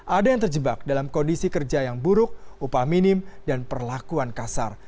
ada yang terjebak dalam kondisi kerja yang buruk upah minim dan perlakuan kasar